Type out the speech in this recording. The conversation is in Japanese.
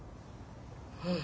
うん。